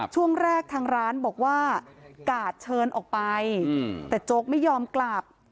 ช่วงแรกทางร้านบอกว่ากาดเชิญออกไปแต่โจ๊กไม่ยอมกลับ